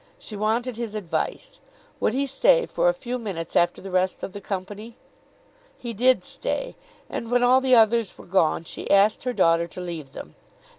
She wanted his advice. Would he stay for a few minutes after the rest of the company? He did stay, and when all the others were gone she asked her daughter to leave them.